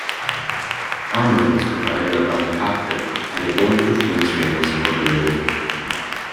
Armor was provided around the cockpit and a bulletproof windscreen was incorporated.